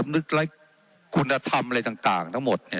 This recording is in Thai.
เจ้าหน้าที่ของรัฐมันก็เป็นผู้ใต้มิชชาท่านนมตรี